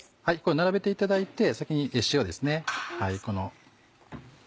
並べていただいて先に塩ですね。